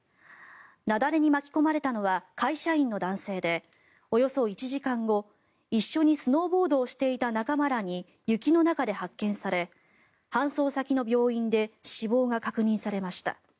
雪崩に巻き込まれたのは会社員の男性でおよそ１時間後一緒にスノーボードをしていた仲間らに雪の中で発見され搬送先の病院で死亡が確認されました。